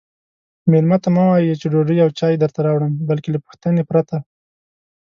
میلمه ته مه وایئ چې ډوډۍ او چای درته راوړم بلکې له پوښتنې پرته